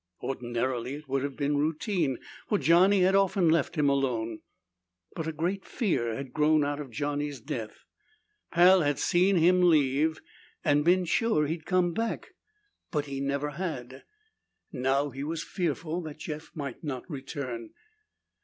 Ordinarily it would have been routine, for Johnny had often left him alone. But a great fear had grown out of Johnny's death. Pal had seen him leave and been sure he'd come back, but he never had. Now he was fearful that Jeff might not return.